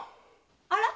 あら？